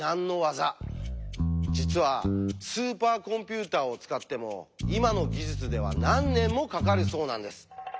実はスーパーコンピューターを使っても今の技術では何年もかかるそうなんです。